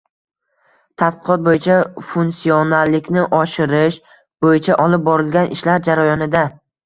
Tadqiqot bo‘yicha funsionallikni oshirish bo‘yicha olib borilgan ishlar jarayonida